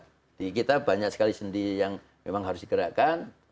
jadi kita banyak sekali sendi yang memang harus di gerakan